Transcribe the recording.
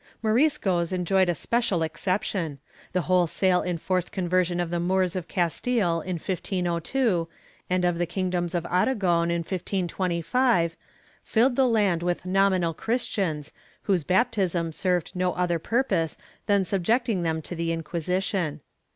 Moriscos enjoyed a special exception. The wholesale enforced conversion of the Moors of Castile in 1502 and of the kingdoms of Aragon in 1525, filled the land with nominal Christians, whose baptism served no other purpose than subjecting them to the Inquisition.